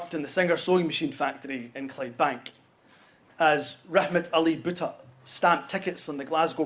dan akan menjadi anggota pemimpin pertama skotlandia